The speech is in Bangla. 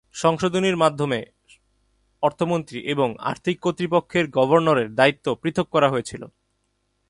সংশোধনীর মাধ্যমে অর্থমন্ত্রী এবং আর্থিক কর্তৃপক্ষের গভর্নরের দায়িত্ব পৃথক করা হয়েছিল।